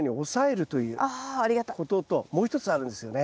ことともう一つあるんですよね。